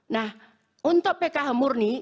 nah untuk pkh murni